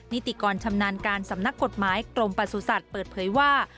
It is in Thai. นิติกรชำนาญการสำนักกฎหมายกรมประสุทธิ์เปิดเผยว่า